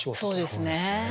そうですね。